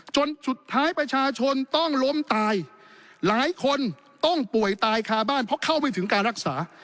จนสุดท้ายประชาชนต้องล้มตายหลายคนต้องป่วยตายคาบ้านเพราะเข้าไม่ถึงการรักษา